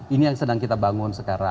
ini yang sedang kita bangun sekarang